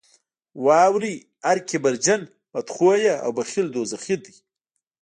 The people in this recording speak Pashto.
واورئ هر کبرجن، بدخویه او بخیل دوزخي دي.